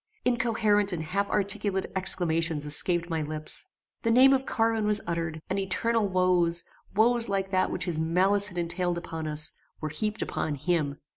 Incoherent and half articulate exclamations escaped my lips. The name of Carwin was uttered, and eternal woes, woes like that which his malice had entailed upon us, were heaped upon him.